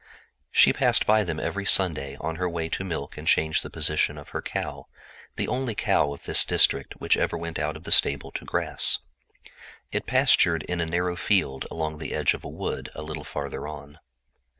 She passed by them every Sunday on her way to milk and change the pasture of her cow—the only cow in this district which ever went out of the stable to grass. It was pastured in a narrow field along the edge of the wood a little farther on.